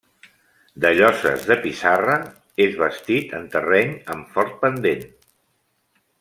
De lloses de pissarra, és bastit en terreny amb fort pendent.